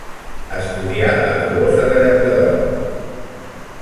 Estudià a Tolosa de Llenguadoc.